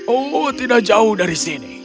oh tidak jauh dari sini